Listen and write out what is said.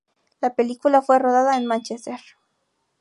La película fue rodada en Manchester.